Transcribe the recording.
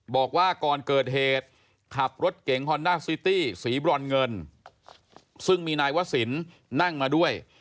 บอกว่าก่อนเกิดเหตุขับรถเก๋งฮอนด้าซิตี้สีบรอนเงินซึ่งมีนายวศิลป์นั่งมาด้วย